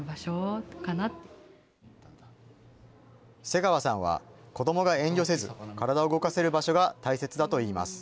瀬川さんは子どもが遠慮せず体を動かせる場所が大切だといいます。